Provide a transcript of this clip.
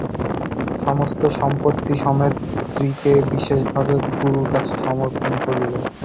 সমস্ত সম্পত্তি-সমেত স্ত্রীকে বিশেষভাবে গুরুর হাতে সমর্পণ করিল।